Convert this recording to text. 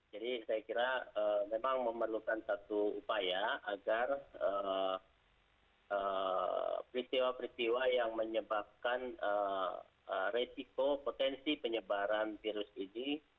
jadi saya kira memang memerlukan satu upaya agar peristiwa peristiwa yang menyebabkan resiko potensi penyebaran virus ini